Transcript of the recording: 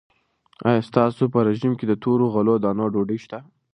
آیا ستاسو په رژیم کې د تورو غلو دانو ډوډۍ شته؟